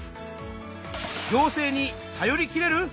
「行政に頼りきれる？」